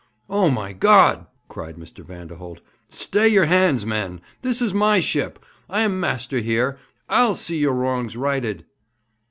'Oh, my God!' cried Mr. Vanderholt; 'stay your hands, men! This is my ship! I am master here! I'll see your wrongs righted!'